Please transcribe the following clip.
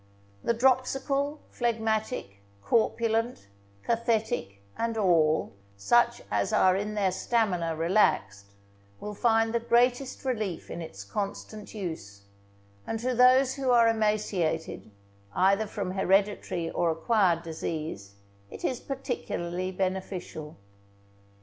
The dropsical, phlegmatic, corpulent, cathetic, and all such as are in their stamina relaxed, will find the greatest relief in its constant use; and to those who are emaciated, either from hereditary or acquired disease, it is particularly beneficial.